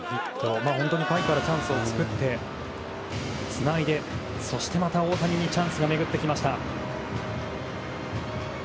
下位からチャンスを作ってつないで、そしてまた大谷にチャンスが巡ってきました。